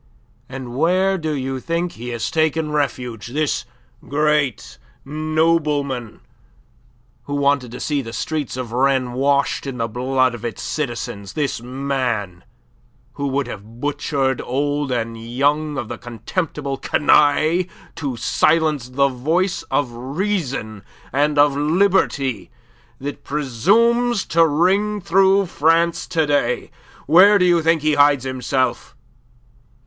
And where do you think he has taken refuge, this great nobleman who wanted to see the streets of Rennes washed in the blood of its citizens, this man who would have butchered old and young of the contemptible canaille to silence the voice of reason and of liberty that presumes to ring through France to day? Where do you think he hides himself?